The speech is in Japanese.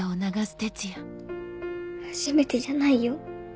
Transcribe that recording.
初めてじゃないよ。